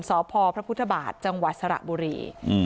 สพพระพุทธบาทจังหวัดสระบุรี